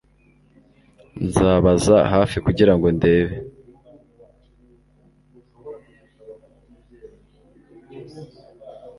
Nzabaza hafi kugirango ndebe